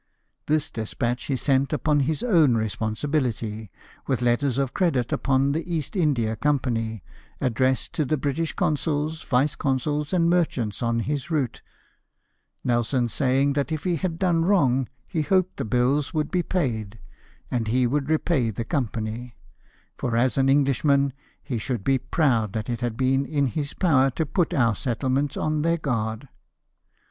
This despatch he sent upon his own responsibility, with letters of credit upon the East India Company, addressed to the British consuls, vice consuls, and merchants on his route, Nelson saying that if he had done wrong he hoped the bills would be paid, and he would repay the Company ; for as an Englishman he should be proud that it had been in his power to put our settlements on their guard."